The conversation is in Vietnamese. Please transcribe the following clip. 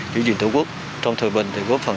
giữ gìn thủ quốc trong thời bình thì góp phần